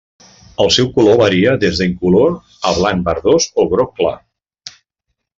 El seu color varia des d'incolor a blanc verdós o groc clar.